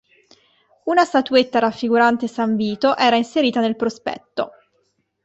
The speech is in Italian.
Una statuetta raffigurante "San Vito" era inserita nel prospetto.